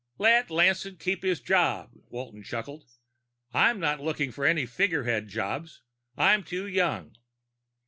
"Let Lanson keep his job," Walton chuckled. "I'm not looking for any figurehead jobs. I'm too young.